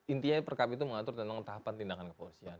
intinya perkab itu mengatur tentang tahapan tindakan kepolisian